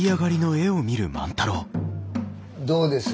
どうです？